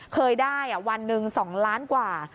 เคยได้วันหนึ่ง๒ล้านกว่า